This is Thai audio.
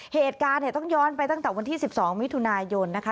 เหตุการณ์เนี่ยต้องย้อนไปตั้งแต่วันที่๑๒มิถุนายนนะคะ